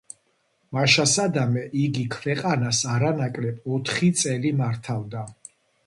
მაშასადამე, იგი ქვეყანას არანაკლებ ოთხი წელი მართავდა.